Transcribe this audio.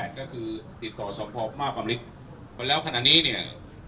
ก็คือติดต่อสมภพมาพริกแล้วขณะนี้เนี่ย